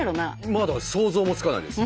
まだ想像もつかないです。